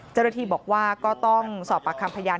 เจ้าหน้าที่บอกว่าก็ต้องสอบปากคำพยาน